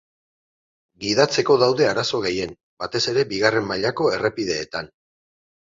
Gidatzeko daude arazo gehien, batez ere bigarren mailako errepideetan.